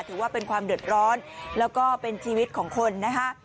ถือว่าเป็นความเดือดร้อนแล้วก็เป็นชีวิตของคนนะคะ